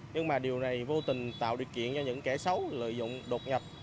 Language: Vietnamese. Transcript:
nhưng mà điều này vô tình tạo điều kiện cho những kẻ xấu lợi dụng đột nhập